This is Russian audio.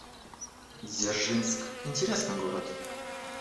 Дзержинск — интересный город